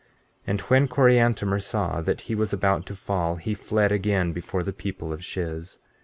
15:7 And when Coriantumr saw that he was about to fall he fled again before the people of Shiz.